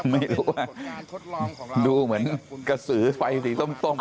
ไม่รู้ว่าดูเหมือนกระสือไฟสีส้ม